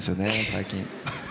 最近。